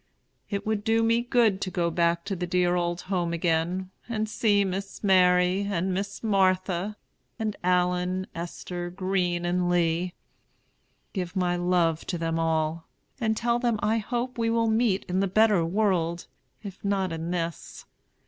It would do me good to go back to the dear old home again, and see Miss Mary and Miss Martha and Allen, Esther, Green, and Lee. Give my love to them all, and tell them I hope we will meet in the better world, if not in this.